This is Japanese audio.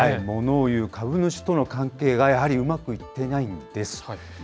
モノ言う株主との関係がやはりうまくいっていないんです。